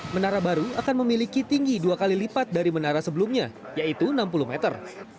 menara baru akan memiliki tinggi dua kali lipat dari menara sebelumnya yaitu enam puluh meter